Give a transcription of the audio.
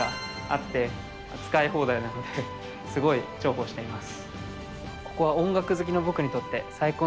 すごい重宝しています。